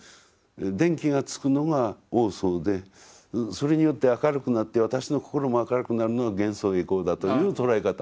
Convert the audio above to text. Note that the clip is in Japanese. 電気がつくのが往相でそれによって明るくなって私の心も明るくなるのが還相回向だという捉え方。